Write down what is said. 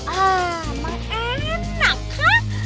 ah emang enak kan